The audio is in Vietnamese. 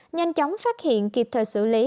nhanh chóng phát hiện kịp thời xử lý